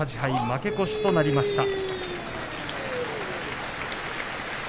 負け越しとなりました。